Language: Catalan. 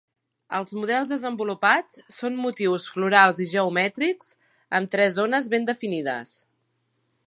Els models desenvolupats són motius florals i geomètrics, amb tres zones ben definides.